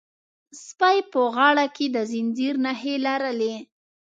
سپي په غاړه کې د زنځیر نښې لرلې.